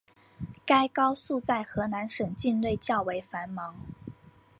该高速在河南省境内较为繁忙。